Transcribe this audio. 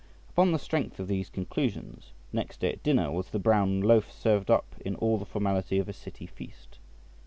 Upon the strength of these conclusions, next day at dinner was the brown loaf served up in all the formality of a City feast.